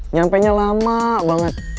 nyampe nya lama banget